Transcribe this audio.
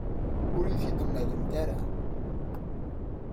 Ur iyi-t-id-mlant ara.